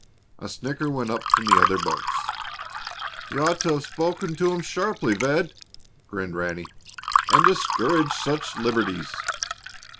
A snicker went up from the other boats. "You ought to have spoken to 'em sharply, Ved," grinned Ranny, "and discouraged such liberties."